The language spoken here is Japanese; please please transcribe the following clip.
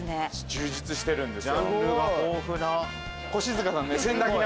充実してるんですよ。